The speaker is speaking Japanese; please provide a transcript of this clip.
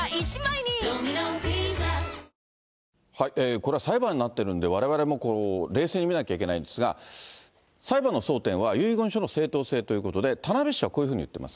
これは裁判になってるんで、われわれも、冷静に見なきゃいけないんですが、裁判の争点は遺言書の正当性ということで、田辺市はこういうふうに言ってます。